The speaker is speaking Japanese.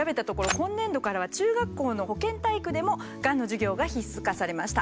今年度からは中学校の保健体育でもがんの授業が必須化されました。